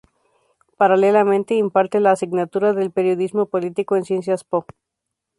Paralelamente, imparte la asignatura de periodismo político en Ciencias Po.